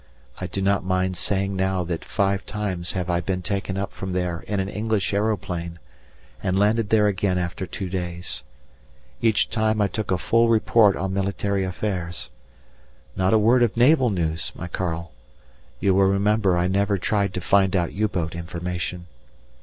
I do not mind saying now that five times have I been taken up from there in an English aeroplane, and landed there again after two days. Each time I took over a full report on military affairs. Not a word of naval news, my Karl; you will remember I never tried to find out U boat information.